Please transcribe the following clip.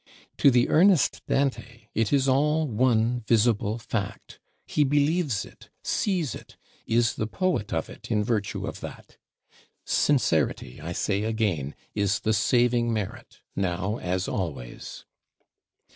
To the earnest Dante it is all one visible Fact; he believes it, sees it; is the Poet of it in virtue of that. Sincerity, I say again, is the saving merit, now as always.